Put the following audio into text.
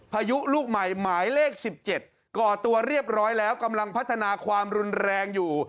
พายุลูกใหม่หมายเลข๑๗ก่อตัวเรียบร้อยแล้วกำลังพัฒนาความรุนแรงอยู่